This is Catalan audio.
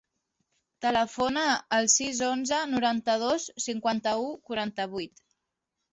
Telefona al sis, onze, noranta-dos, cinquanta-u, quaranta-vuit.